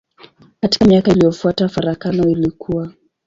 Katika miaka iliyofuata farakano ilikua.